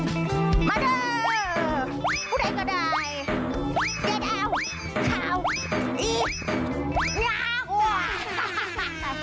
เย็นเอาขาว